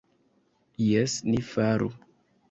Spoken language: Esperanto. Jes, ni faru.